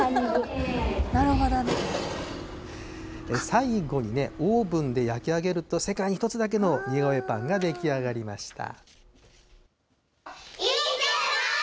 最後にね、オーブンで焼き上げると、世界に一つだけの似顔絵パンが出来上がりました。